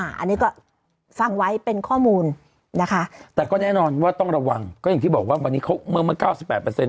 อันนี้ก็ฟังไว้เป็นข้อมูลนะคะแต่ก็แน่นอนว่าต้องระวังก็อย่างที่บอกว่าวันนี้เขาเมื่อเมื่อเก้าสิบแปดเปอร์เซ็น